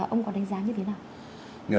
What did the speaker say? ông có đánh giá như thế nào